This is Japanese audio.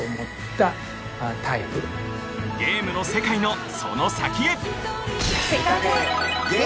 ゲームの世界のその先へ！